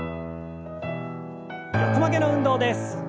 横曲げの運動です。